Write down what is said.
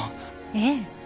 ええ。